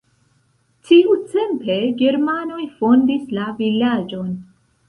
Tiutempe germanoj fondis la vilaĝon.